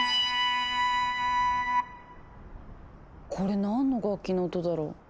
これ何の楽器の音だろう？